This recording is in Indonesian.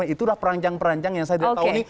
itu sudah perancang perancang yang saya tidak tahu ini